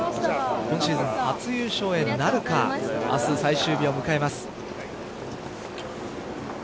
今シーズン初優勝なるか明日最終日を迎えます。